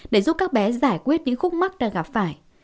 để giúp các bé giải quyết những khúc mắt đang gặp phải